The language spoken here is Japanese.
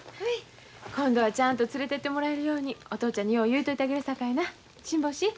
今度はちゃんと連れていってもらえるようにお父ちゃんによう言うといてあげるさかいな辛抱しい。